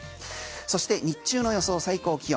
そして日中の予想最高気温。